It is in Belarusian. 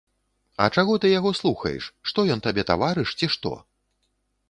А чаго ты яго слухаеш, што ён табе таварыш, ці што?